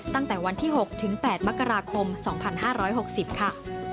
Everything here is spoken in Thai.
ตั้งแต่วันที่๖ถึง๘มกราคม๒๕๖๐ค่ะ